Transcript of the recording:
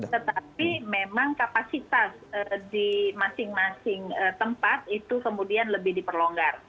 tetapi memang kapasitas di masing masing tempat itu kemudian lebih diperlonggar